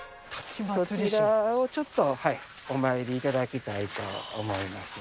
そちらをちょっとお参りいただきたいと思います。